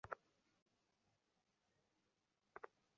তারা আমাদের দেশের হোক, বিদেশের হোক, তাদের খুঁজে বের করা অবশ্যই কর্তব্য।